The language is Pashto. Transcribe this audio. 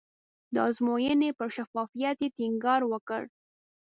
د ازموینې پر شفافیت یې ټینګار وکړ.